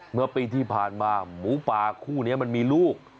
เมื่อปีที่ผ่านมาหมูป่าคู่นี้มันมีลูก